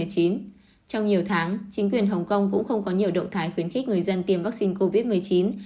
trong nhiều tháng chính quyền hồng kông cũng không có nhiều động thái khuyến khích người dân tiêm vaccine covid một mươi chín